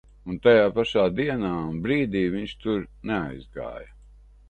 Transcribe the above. Un tā tajā pašā dienā un brīdī viņš tur neaizgāja.